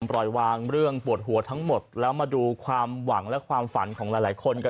ปล่อยวางเรื่องปวดหัวทั้งหมดแล้วมาดูความหวังและความฝันของหลายหลายคนกัน